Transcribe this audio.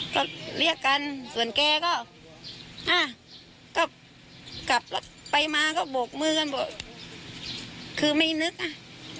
ก็เรียกกันส่วนแกก็อ่ะก็กลับไปมาก็บกมือกันบอกคือไม่นึกอ่ะ